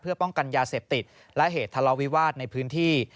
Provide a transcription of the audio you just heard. เพื่อป้องกันยาเสพติดและเหตุทะเลาวิวาสในพื้นที่